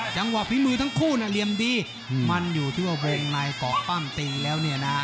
จังหวะภีมือทั้งคู่เรียมดีมันอยู่ทั่ววงในกรอกป้ามตีแล้วเนี่ยนะ